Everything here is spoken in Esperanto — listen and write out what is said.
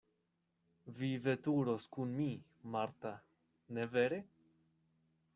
Vi veturos kun mi, Marta, ne vere?